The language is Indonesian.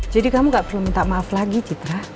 jadi kamu gak perlu minta maaf lagi citra